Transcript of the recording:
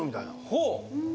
ほう。